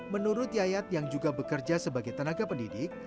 menurut yayat yang juga bekerja sebagai tenaga pendidik